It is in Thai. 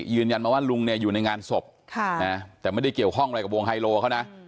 ยืนยันมาว่าลุงเนี่ยอยู่ในงานศพแต่ไม่ได้เกี่ยวข้องอะไรกับวงไฮโลเขานะ